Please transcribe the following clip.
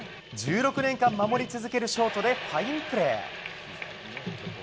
１６年間、守り続けるショートでファインプレー。